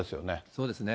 そうですね。